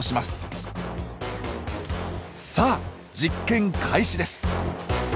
さあ実験開始です！